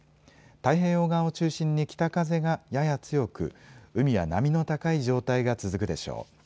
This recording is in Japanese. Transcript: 太平洋側を中心に北風がやや強く海や波の高い状態が続くでしょう。